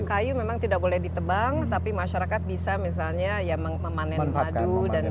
ini hutan yang sudah ditebang tapi masyarakat bisa misalnya memanen madu